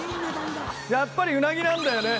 やっぱりうなぎなんだよね